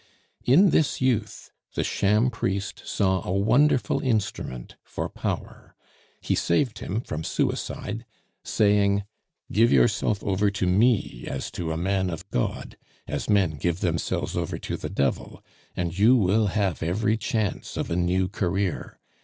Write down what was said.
In this youth the sham priest saw a wonderful instrument for power; he saved him from suicide saying: "Give yourself over to me as to a man of God, as men give themselves over to the devil, and you will have every chance of a new career.